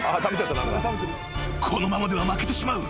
［このままでは負けてしまう。